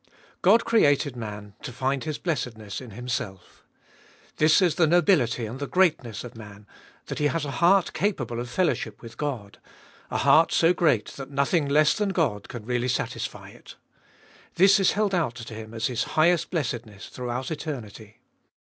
GOD created man to find his blessedness in Himself. This is the nobility and the greatness of man, that he has a heart capable of fellowship with God, a heart so great that nothing less than God can really satisfy it. This is held out to him as his highest blessedness through eternity.